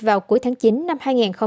vào cuối tháng chín năm hai nghìn hai mươi